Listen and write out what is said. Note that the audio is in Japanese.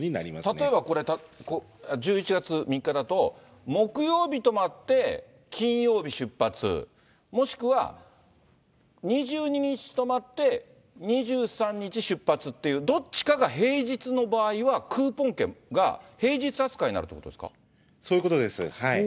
例えば、これ、１１月３日だと、木曜日泊まって、金曜日出発、もしくは２２日泊まって、２３日出発っていう、どっちかが平日の場合はクーポン券が平日扱いになるということでそういうことです。